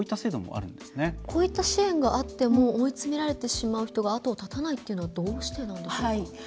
こういった支援があっても追い詰められてしまう人が後を絶たないというのはどうしてなんでしょうか？